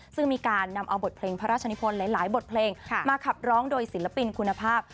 ซึ่งมีการนำเอาบทเพลงพระราชนิพลหลายบทเพลงมาขับร้องโดยศิลปินคุณภาพ